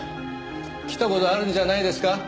来た事あるんじゃないですか。